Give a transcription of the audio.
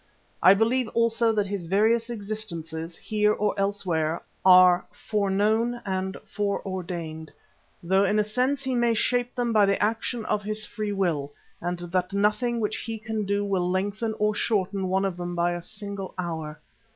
I believe also that his various existences, here or elsewhere, are fore known and fore ordained, although in a sense he may shape them by the action of his free will, and that nothing which he can do will lengthen or shorten one of them by a single hour.